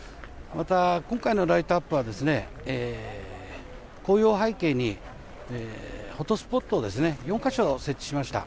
今回のライトアップは紅葉を背景にフォトスポットを４か所、設置しました。